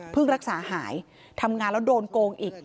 รักษาหายทำงานแล้วโดนโกงอีก